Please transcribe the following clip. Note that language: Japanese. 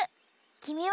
きみは？